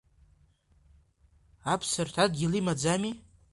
Аԥсырҭ адгьыл имаӡами?